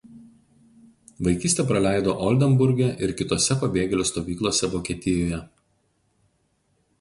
Vaikystę praleido Oldenburge ir kitose pabėgėlių stovyklose Vokietijoje.